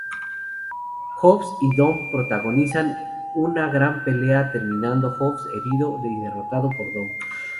Hobbs y Dom protagonizan una gran pelea terminando Hobbs herido y derrotado por Dom.